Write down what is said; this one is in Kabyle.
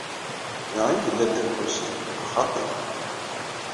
Da i yella Dda Lḥusin, neɣ xaṭi?